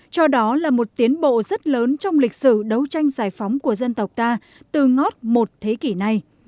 cho đó là một tiến bộ rất lớn trong lịch sử đấu tranh giải phóng của dân tộc ta từ ngót một thế kỷ này